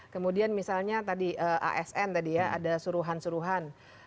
kemudian misalnya tadi asn tadi ya ada suruhan suruhan